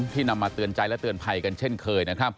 ที่นำมาเตือนใจและเตือนภัยกันเช่นเคย